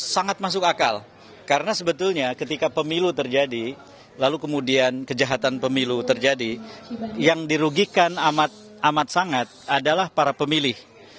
sangat masuk akal karena sebetulnya ketika pemilu terjadi lalu kemudian kejahatan pemilu terjadi yang dirugikan amat sangat adalah para pemilih